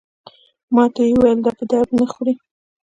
ماته یې وویل دا په درد نه خوري.